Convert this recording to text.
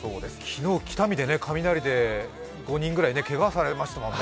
昨日、北見で雷で５人くらいけがをされましたからね。